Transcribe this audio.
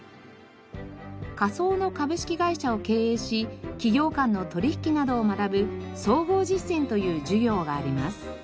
仮想の株式会社を経営し企業間の取引などを学ぶ総合実践という授業があります。